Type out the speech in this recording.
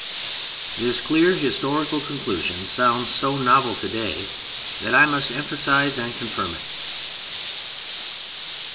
This clear historical conclusion sounds so novel today that I must emphasize and confirm it.